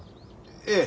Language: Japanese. ええ。